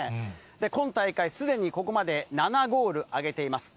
今大会、すでにここまで７ゴール挙げています。